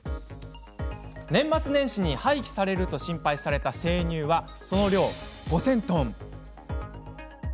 年末年始に廃棄されると心配された牛乳はその量、５０００トン。